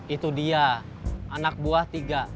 itu dia anak buah tiga